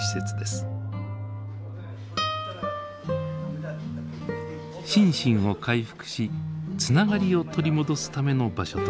心身を回復しつながりを取り戻すための場所となっています。